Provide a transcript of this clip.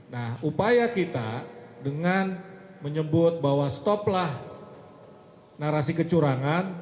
nah upaya kita dengan menyebut bahwa stoplah narasi kecurangan